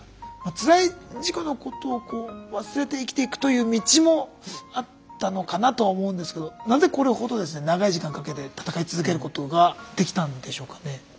つらい事故のことをこう忘れて生きていくという道もあったのかなと思うんですけどなぜこれほどですね長い時間かけて闘い続けることができたんでしょうかね。